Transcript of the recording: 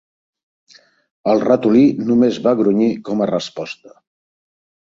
El ratolí només va grunyir com a resposta.